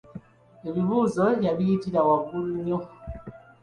Ebibuuzo yabiyitira waggulu nnyo.